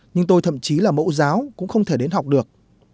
nhưng tôi thậm chí là mẫu giáo cũng không thể đến học được